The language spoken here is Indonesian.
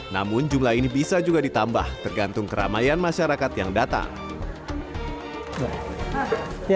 namun jumlah ini bisa juga ditambah tergantung keramaian masyarakat yang datang